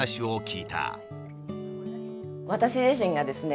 私自身がですね